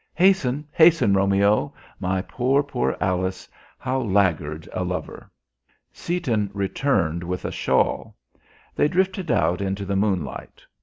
Hasten, hasten, Romeo! My poor, poor Alice, how laggard a lover!" Seaton returned with a shawl. They drifted out into the moonlight.